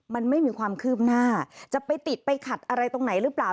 มันไม่มีความคืบหน้าจะไปติดไปขัดอะไรตรงไหนหรือเปล่า